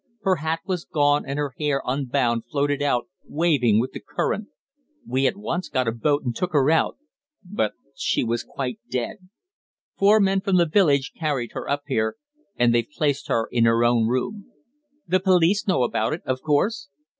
Her hat was gone, and her hair, unbound, floated out, waving with the current. We at once got a boat and took her out, but she was quite dead. Four men from the village carried her up here, and they've placed her in her own room." "The police know about it, of course?"